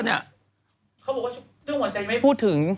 เขาบอกว่าเรื่องหัวใจยังไม่พูดถึง